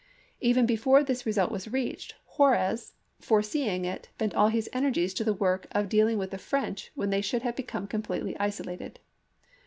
Even before this result was reached, Juarez, fore seeing it, bent all his energies to the work of deal ing with the French when they should have become completely isolated.